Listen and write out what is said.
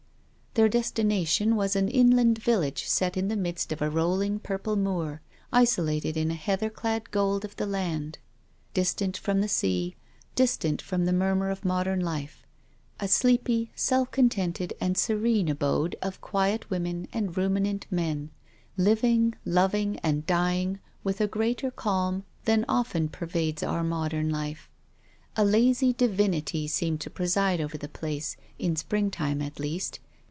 Their destination was an inland village set in the midst of a rolling purple moor, isolated in a heather clad gold of the land, distant from the sea, distant from the murmur of modern life; a sleepy, self contented and serene abode of quiet women and ruminant men, living, loving, and dying with a greater calm than often pervades our modern life. A lazy divinity seemed to preside over the place, in spring time at least.